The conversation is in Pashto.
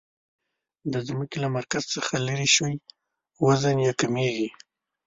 د ځمکې له مرکز څخه لیرې شئ وزن یي کمیږي.